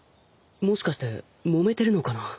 もしかしてもめてるのかな？